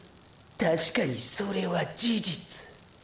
確かにそれは“事実”。